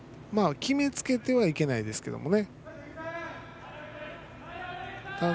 決めつけてはいけないですけれどね。